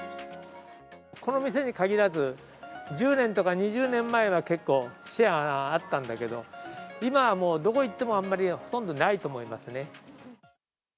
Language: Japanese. この店に限らず、１０年とか２０年前は結構シェアがあったんだけど、今はもう、どこ行っても、あんまり、ほとんどないと思いますね。